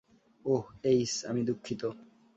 ওহ, Ace, আমি দুঃখিত।